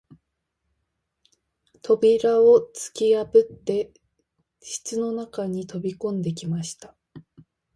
扉をつきやぶって室の中に飛び込んできました